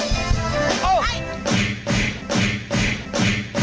สวัสดีครับ